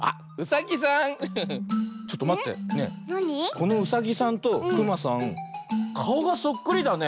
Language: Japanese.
このうさぎさんとくまさんかおがそっくりだね。